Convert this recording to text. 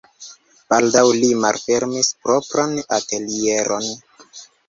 Baldaŭ li malfermis propran atelieron.